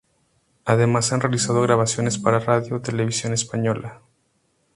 Además, han realizado grabaciones para Radio Televisión Española.